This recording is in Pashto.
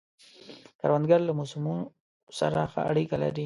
کروندګر له موسمو سره ښه اړیکه لري